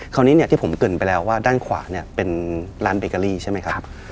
คราวนี้เนี่ยที่ผมเกิดไปแล้วว่าด้านขวาเนี่ยเป็นร้านเบเกอรี่ใช่ไหมครับ